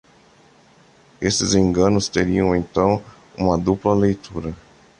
Esses enganos teriam, então, uma dupla leitura.